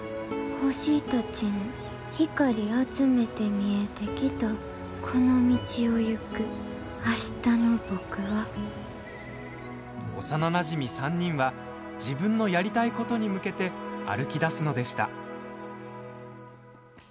星たちの光あつめて見えてきたこの道をいく明日の僕は幼なじみ３人は自分のやりたいことに向けて歩きだすのでした。